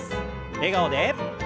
笑顔で。